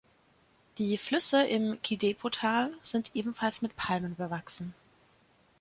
Die Flüsse im Kidepo-Tal sind ebenfalls mit Palmen bewachsen.